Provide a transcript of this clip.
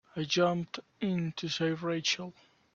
I jumped in to save Rachel.